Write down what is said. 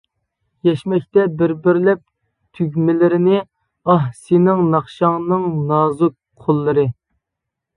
يەشمەكتە بىر-بىرلەپ تۈگمىلىرىنى، ئاھ، سېنىڭ ناخشاڭنىڭ نازۇك قوللىرى.